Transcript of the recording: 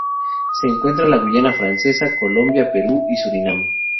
Se encuentra en la Guayana Francesa, Colombia, Perú y Surinam.